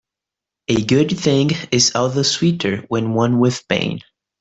A good thing is all the sweeter when won with pain.